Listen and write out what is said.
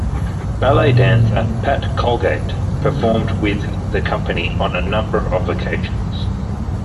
Ballet dancer Pat Colgate performed with the company on a number of occasions.